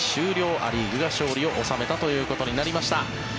ア・リーグが勝利を収めたということになりました。